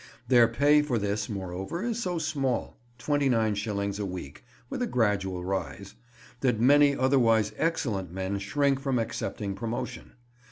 Their pay for this, moreover, is so small—29s. a week, with a gradual rise—that many otherwise excellent men shrink from accepting promotion.